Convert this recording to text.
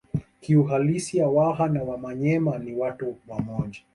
Kiuhalisia Waha na Wamanyema ni watu wamoja